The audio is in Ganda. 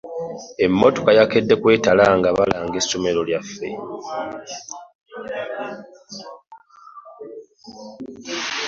Emmotoka yakedde kwetala nga balanga ssomero eryo.